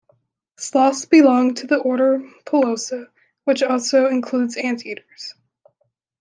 Sloths belong to the order Pilosa, which also includes anteaters.